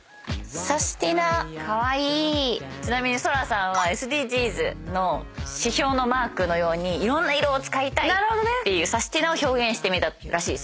ちなみに青空さんはＳＤＧｓの指標のマークのようにいろんな色を使いたいっていうサスティな！を表現してみたらしい。